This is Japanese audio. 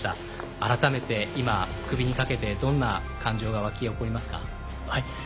改めて今首にかけてどんな感情がわき起こりますか？